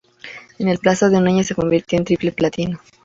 En el plazo de un año se convirtió en triple platino.